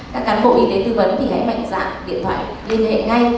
các cán bộ y tế tư vấn thì hãy mạnh dạng điện thoại liên hệ ngay